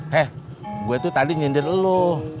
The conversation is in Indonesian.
heh gue tuh tadi nyindir lu